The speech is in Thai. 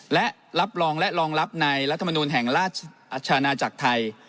และรับรองและรองรับในรัฐมนูลแห่งราชอาณาจักรไทย